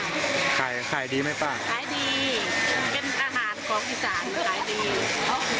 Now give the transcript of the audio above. ขายขายดีไหมป้าขายดีเป็นอาหารของอีสานขายดี